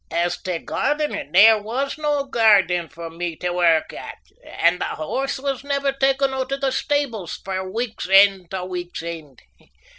As tae gairdening, there was no gairden for me tae work at, and the horse was never taken oot o' the stables frae week's end tae week's end.